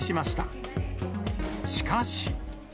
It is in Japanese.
しかし。